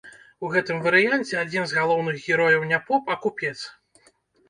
У гэтым варыянце адзін з галоўных герояў не поп, а купец.